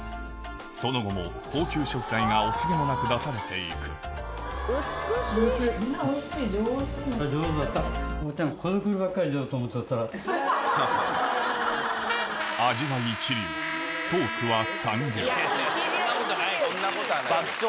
その後も高級食材が惜しげもなく出されて行くいいトークよ。